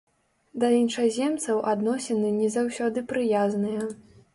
Да іншаземцаў адносіны не заўсёды прыязныя.